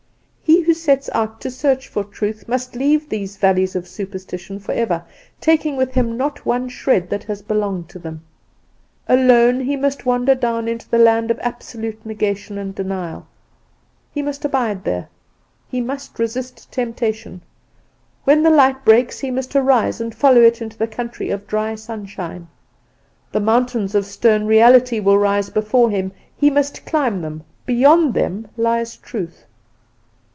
He who sets out to search for Truth must leave these valleys of superstition forever, taking with him not one shred that has belonged to them. Alone he must wander down into the Land of Absolute Negation and Denial; he must abide there; he must resist temptation; when the light breaks he must arise and follow it into the country of dry sunshine. The mountains of stern reality will rise before him; he must climb them; beyond them lies Truth.